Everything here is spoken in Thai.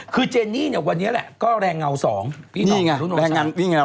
คือเจนนี่เนี่ยวันเนี่ยแหละก็แรงเงาสองนี่ไงแรงเงาสอง